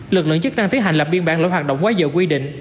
lực lượng chức năng tiến hành lập biên bản lỗi hoạt động quá dừa quy định